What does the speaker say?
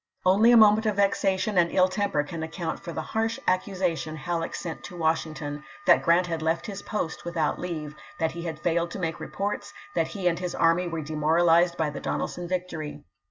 Only a moment of vexation and ill temper can account for the harsh accusation Halleck sent to Washington, that Grant had left his post without leave, that he had failed to make reports, that he and his army were demoralized by the Donelson \ictory.